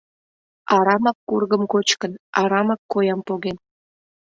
Арамак кургым кочкын, арамак коям поген.